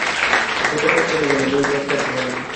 কত কাল চলে গেল, বই পড়তে আর ভালো লাগে না।